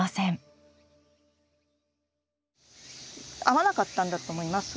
合わなかったんだと思います